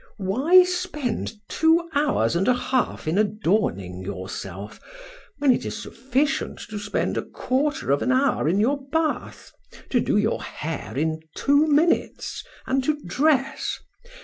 Why spend two hours and a half in adorning yourself, when it is sufficient to spend a quarter of an hour in your bath, to do your hair in two minutes, and to dress!